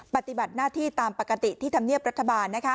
ปฏิบัติหน้าที่ตามปกติที่ธรรมเนียบรัฐบาล